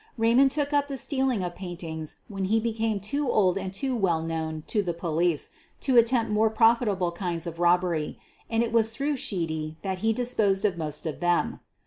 Raymond took up the stealing 3f paintings when he became too old and too well imown to the police to attempt more profitable kinds of robbery, and it was through Sheedy that he dis posed of most of them.